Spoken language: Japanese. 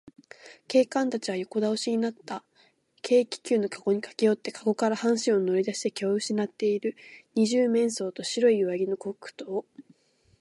警官たちは横だおしになった軽気球のかごにかけよって、かごから半身を乗りだして気をうしなっている二十面相と、白い上着のコックとを、